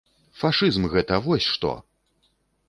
Фашызм гэта, вось што!